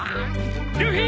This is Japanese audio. ルフィ！